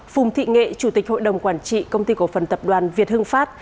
phùng thị nghệ chủ tịch hội đồng quản trị công ty cổ phần tập đoàn việt hưng pháp